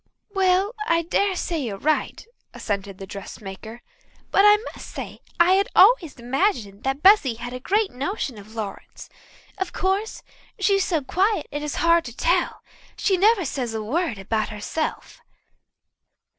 "Well, I dare say you're right," assented the dressmaker. "But I must say I had always imagined that Bessy had a great notion of Lawrence. Of course, she's so quiet it is hard to tell. She never says a word about herself."